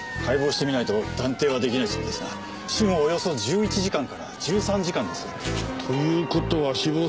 解剖してみないと断定はできないそうですが死後およそ１１時間から１３時間だそうです。